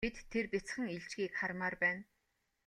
Бид тэр бяцхан илжгийг хармаар байна.